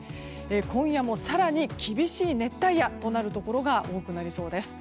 今夜も更に厳しい熱帯夜となるところが多くなりそうです。